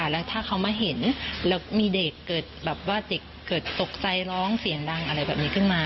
แล้วถ้าเขามาเห็นมีเด็กเกิดตกใจร้องเสียงดังอะไรแบบนี้ขึ้นมา